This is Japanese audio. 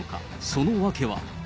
その訳は。